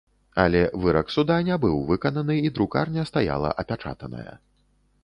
Але вырак суда не быў выкананы, і друкарня стаяла апячатаная.